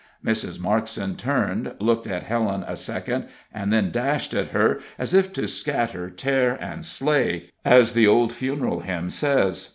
Mrs. Markson turned, looked at Helen a second, and then dashed at her, as if "to scatter, tear and slay," as the old funeral hymn says.